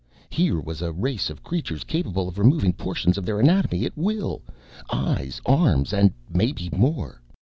Here was a race of creatures capable of removing portions of their anatomy at will. Eyes, arms and maybe more.